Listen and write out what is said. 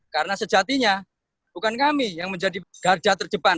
karena sejatinya bukan kami yang menjadi garda terdepan